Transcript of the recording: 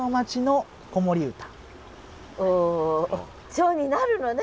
蝶になるのね